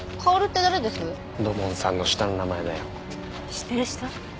知ってる人？